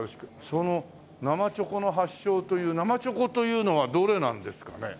その生チョコの発祥という生チョコというのはどれなんですかね？